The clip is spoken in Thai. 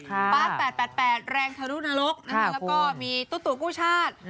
๘๘๘แรงทะลุนรกแล้วก็มีตุ๊กกู้ชาติ